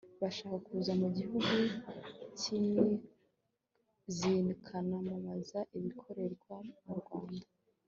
bashaka kuza mu gihugu zikanamamaza ibikorerwa mu rwanda